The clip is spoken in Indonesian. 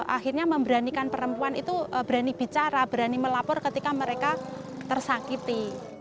akhirnya memberanikan perempuan itu berani bicara berani melapor ketika mereka tersakiti